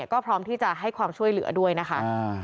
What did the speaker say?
ก็พร้อมที่จะให้ความช่วยเหลือด้วยนะคะ